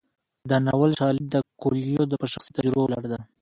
د ناول شالید د کویلیو په شخصي تجربو ولاړ دی.